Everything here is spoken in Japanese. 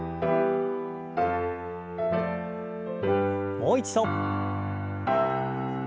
もう一度。